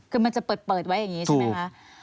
คือมันจะเปิดไว้อย่างนี้ใช่ไหมคะ